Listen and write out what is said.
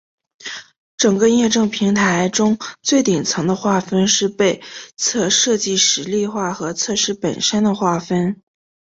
整个验证平台中最顶层的划分是被测设计实例化和测试本身的划分。